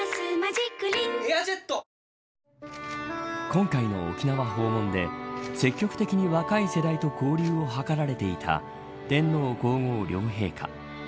今回の沖縄訪問で積極的に若い世代と交流をはかられていた天皇皇后両陛下。